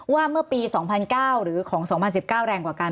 ว่าเมื่อปี๒๐๐๙หรือของ๒๐๑๙แรงกว่ากัน